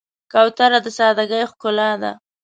کوتره د سادګۍ ښکلا ده.